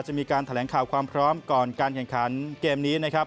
จะมีการแถลงข่าวความพร้อมก่อนการแข่งขันเกมนี้นะครับ